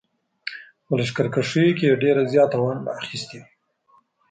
په لښکرکښیو کې یې ډېره زیاته ونډه اخیستې.